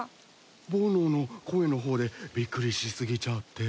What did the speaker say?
ぼのの声の方でびっくりし過ぎちゃって。